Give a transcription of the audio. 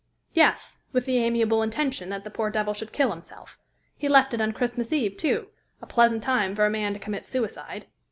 "Yes, with the amiable intention that the poor devil should kill himself. He left it on Christmas Eve, too a pleasant time for a man to commit suicide!"